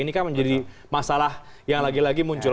ini kan menjadi masalah yang lagi lagi muncul